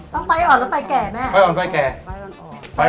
ต้องไฟอ่อนแล้วไฟแก่ไหม